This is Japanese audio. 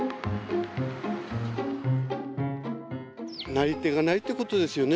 なり手がないってことですよね